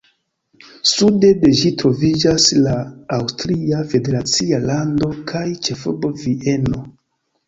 Sude de ĝi troviĝas la Aŭstria federacia lando kaj ĉefurbo Vieno.